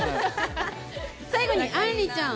最後にあんりちゃん。